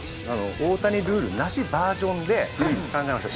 大谷ルールなしバージョンで考えました。